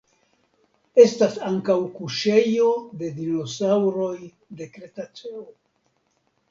Estas ankaŭ kuŝejo de dinosaŭroj de Kretaceo.